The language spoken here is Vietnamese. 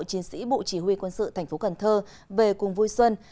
chiến sĩ bộ chỉ huy quân sự tp cần thơ về cùng vui xuân